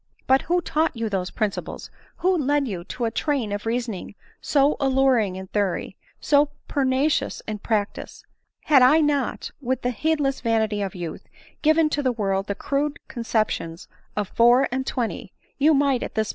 " But who taught you those principles ?— who led you to a train of reasoning, so alluring in theory, so pernicious m practice ? Had not I, with the heedless vanity of youth, given to the world the crude conceptions of four and twenty, you might at this